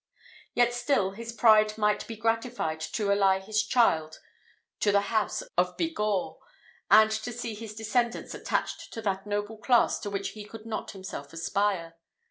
Yet still his pride might be gratified to ally his child to the house of Bigorre, and to see his descendants attached to that noble class to which he could not himself aspire.